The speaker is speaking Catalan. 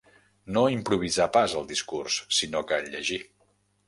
No improvisà pas el discurs, sinó que el llegí.